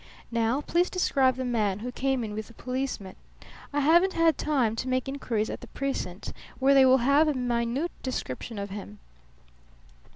Now please describe the man who came in with the policeman. I haven't had time to make inquiries at the precinct, where they will have a minute description of him."